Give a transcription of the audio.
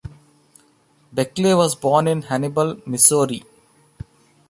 Beckley was born in Hannibal, Missouri.